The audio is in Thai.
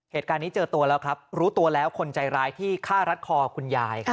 เหตุการณ์นี้เจอตัวแล้วครับรู้ตัวแล้วคนใจร้ายที่ฆ่ารัดคอคุณยาย